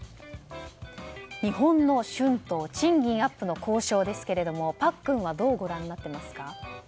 日本の春闘賃金アップの交渉ですけれどもパックンはどうご覧になってますか？